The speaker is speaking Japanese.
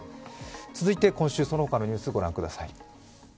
続いて今週その他のニュース、ご覧ください。